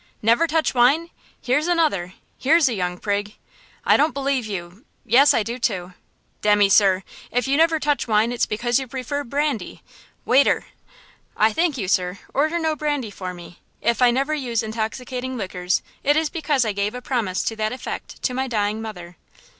"Never touch wine! Here's another; here's a young prig! I don't believe you–yes, I do, too! Demmy, sir, if you never touch wine it's because you prefer brandy! Waiter!" "I thank you, sir. Order no brandy for me. If I never use intoxicating liquors it is because I gave a promise to that effect to my dying mother."